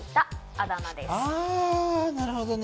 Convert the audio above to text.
あなるほどね。